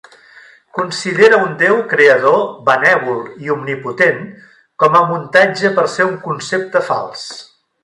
Considera un déu creador benèvol i omnipotent com a muntatge per ser un concepte fals.